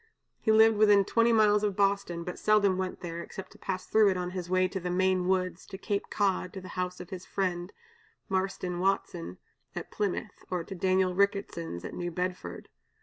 He lived within twenty miles of Boston, but seldom went there, except to pass through it on his way to the Maine woods, to Cape Cod, to the house of his friend, Marston Watson at Plymouth, or to Daniel Ricketson's at New Bedford.